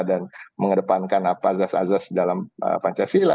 dan mengedepankan apa azas azas dalam pancasila